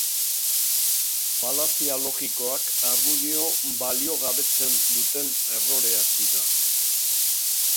Falazia logikoak argudioa baliogabetzen duten erroreak dira.